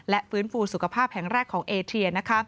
ฟื้นฟูสุขภาพแห่งแรกของเอเทีย